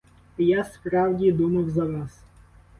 А я справді думав за вас.